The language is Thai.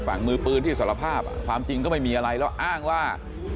มือปืนที่สารภาพความจริงก็ไม่มีอะไรแล้วอ้างว่า